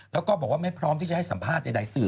แล้วก็บอกว่าไม่พร้อมที่จะให้สัมภาษณ์ใดสื่อ